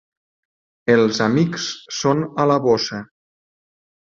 Els amics són a la bossa.